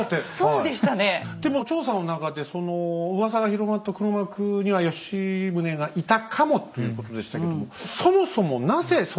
でも調査の中でそのうわさが広まった黒幕には吉宗がいたかもということでしたけども。